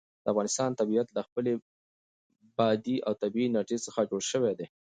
د افغانستان طبیعت له خپلې بادي او طبیعي انرژي څخه جوړ شوی دی.